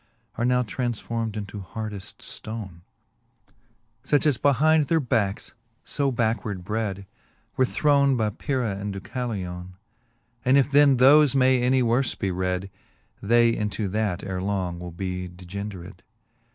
Are now transformed into hardeft ftone ; Such as behind their backs (fo backward bred) Where thrown by Pyrrha and Deucalione : And if then thoie may any worle be red, They into that ere long will be degendered.